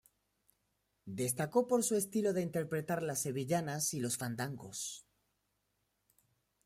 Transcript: Destacó por su estilo de interpretar las Sevillanas y los Fandangos.